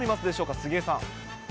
杉江さん。